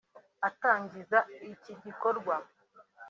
Atangiza iki gikorwa